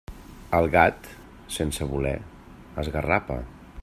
El gat, sense voler, esgarrapa.